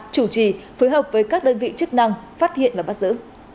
chủ trì phối hợp với các đơn vị chức năng phát hiện và bắt giữ